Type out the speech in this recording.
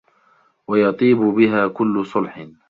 وَيَطِيبُ بِهَا كُلُّ صُلْحٍ